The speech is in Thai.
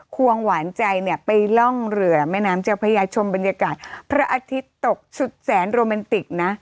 วงหวานใจเนี่ยไปล่องเรือแม่น้ำเจ้าพระยาชมบรรยากาศพระอาทิตย์ตกสุดแสนโรแมนติกนะ